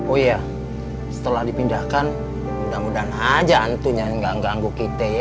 oh iya setelah dipindahkan mudah mudahan aja hantunya nggak mengganggu kita ya